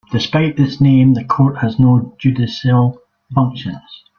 Despite its name, the court has no judicial functions.